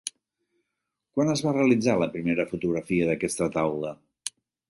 Quan es va realitzar la primera fotografia d'aquesta taula?